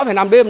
phải nằm đêm